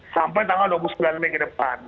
sampai tanggal dua puluh sembilan mei ke depan